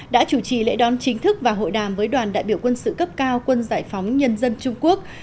đã chủ trì lễ đón chính thức và hội đàm với đoàn đại biểu quân sự cấp cao quân giải phóng nhân dân trung quốc